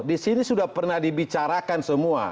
disini sudah pernah dibicarakan semua